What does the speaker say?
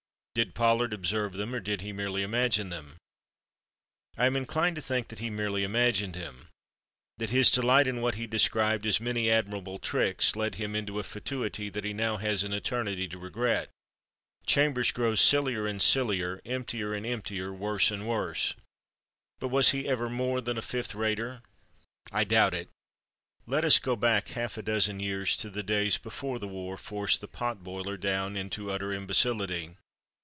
Did Pollard observe them, or did he merely imagine them? I am inclined to think that he merely imagined them—that his delight in what he described as "many admirable tricks" led him into a fatuity that he now has an eternity to regret. Chambers grows sillier and sillier, emptier and emptier, worse and worse. But was he ever more than a fifth rater? I doubt it. Let us go back half a dozen years, to the days before the war forced the pot boiler down into utter imbecility.